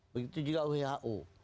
begitu juga who